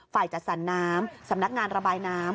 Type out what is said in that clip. ฝ่ายจัดสรรน้ำสำนักงานระบายน้ำ